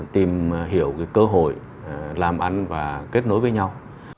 tìm hiểu cơ hội làm ăn và kết nối với nhau